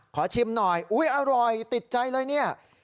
ชิมหน่อยอุ๊ยอร่อยติดใจเลยเนี่ย